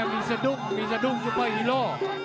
มีสะดุ้งมีสะดุ้งซุปเปอร์ฮีโร่